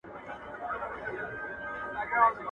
ما یې له ماتم سره لیدلي اخترونه دي